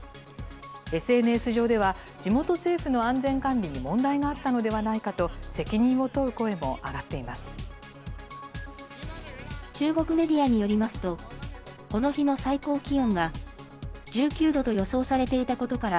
ＳＮＳ上では、地元政府の安全管理に問題があったのではないかと責任を問う声も中国メディアによりますと、この日の最高気温が１９度と予想されていたことから、